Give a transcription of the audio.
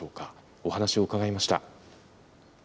お話を伺いました。